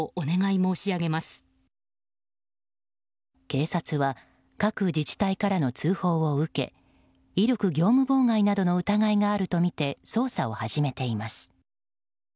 警察は各自治体からの通報を受け威力業務妨害などの疑いがあるとみて捜査を始めています。